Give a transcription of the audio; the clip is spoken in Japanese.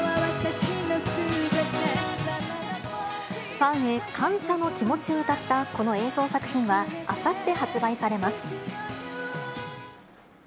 ファンへ感謝の気持ちを歌ったこの映像作品は、あさって発売されます。